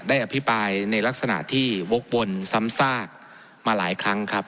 อภิปรายในลักษณะที่วกวนซ้ำซากมาหลายครั้งครับ